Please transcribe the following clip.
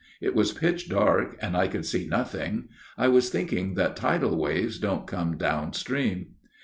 It was pitch dark and I could see nothing. I was thinking that tidal waves don't come down stream.